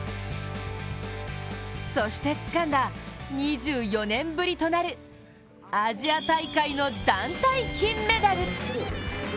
そしてつかんだ２４年ぶりとなるアジア大会の団体金メダル。